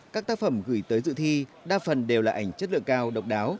các tác phẩm gửi tới dự thi đa phần đều là ảnh chất lượng cao độc đáo